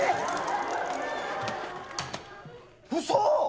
うそ？